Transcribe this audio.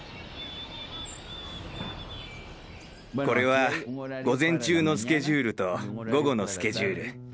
これは午前中のスケジュールと午後のスケジュール。